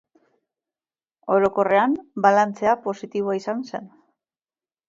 Orokorrean, balantzea positiboa izan zen.